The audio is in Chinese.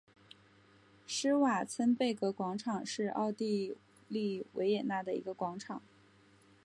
施瓦岑贝格广场是奥地利维也纳的一个广场。